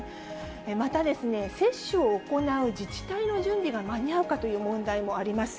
また、接種を行う自治体の準備が間に合うかという問題もあります。